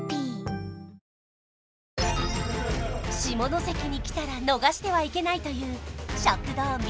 下関にきたら逃してはいけないという食堂味